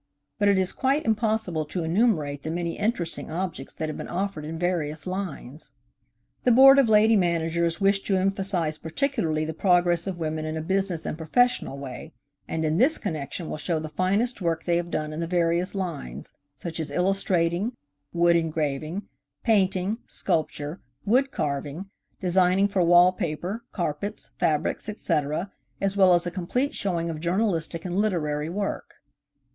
But it is quite impossible to enumerate the many interesting objects that have been offered in various lines. The Board of Lady Managers wished to emphasize particularly the progress of women in a business and professional way, and in this connection will show the finest work they have done in the various lines, such as illustrating, wood engraving, painting, sculpture, wood carving, designing for wall paper, carpets, fabrics, etc., as well as a complete showing of journalistic and literary work.